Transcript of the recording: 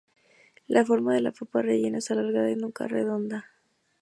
La forma de la papa rellena es alargada y nunca redonda.